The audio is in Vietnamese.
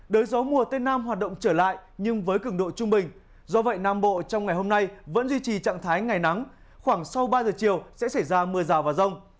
đới gió mùa tây nam hoạt động trở lại nhưng với cứng độ trung bình do vậy nam bộ trong ngày hôm nay vẫn duy trì trạng thái ngày nắng khoảng sau ba giờ chiều sẽ xảy ra mưa rào và rông